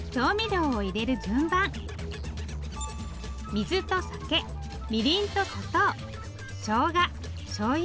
水と酒みりんと砂糖しょうがしょうゆ。